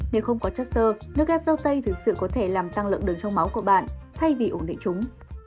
nếu không có chất xơ nước ép rau tây thực sự có thể làm tăng lượng đường trong máu của bạn thay vì ổn định chúng